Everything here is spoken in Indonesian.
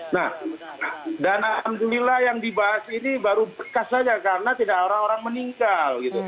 nah dan alhamdulillah yang dibahas ini baru bekas saja karena tidak orang orang meninggal